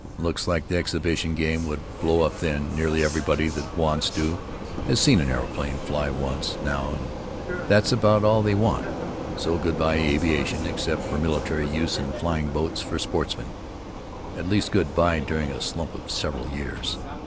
Looks like the exhibition game would blow up then—nearly everybody that wants to has seen an aeroplane fly once, now, and that's about all they want, so good bye aviation, except for military use and flying boats for sportsmen. At least good bye during a slump of several years.